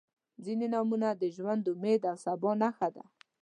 • ځینې نومونه د ژوند، امید او سبا نښه ده.